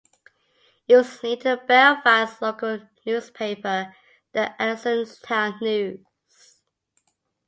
It was linked to the Belfast local newspaper, the "Andersonstown News".